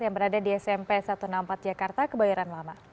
yang berada di smp satu ratus enam puluh empat jakarta kebayoran lama